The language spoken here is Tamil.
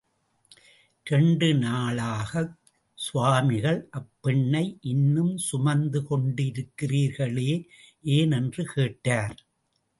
இரண்டு நாளாக்ச் கவாமிகள் அப்பெண்ணை இன்னும் சுமந்து கொண்டிருக்கிறீர்களே! —ஏன்? என்று கேட்டார்.